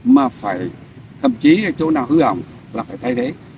mà phải thậm chí chỗ nào hư hỏng là phải thay thế